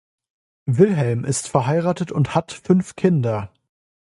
Wilhelm ist verheiratet und hat fünf Kinder.